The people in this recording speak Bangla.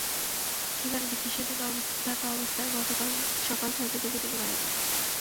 সেখানে চিকিৎসাধীন থাকা অবস্থায় গতকাল সকাল ছয়টায় দিকে তিনি মারা যান।